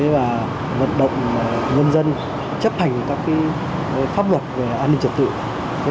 và vận động nhân dân chấp hành các pháp luật về an ninh trật tự